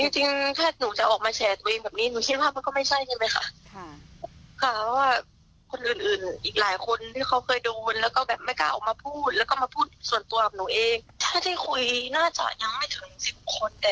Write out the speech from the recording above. จริงถ้าหนูจะออกมาแฉตัวเองแบบนี้หนูคิดว่ามันก็ไม่ใช่ใช่ไหมคะ